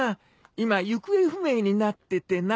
今行方不明になっててな。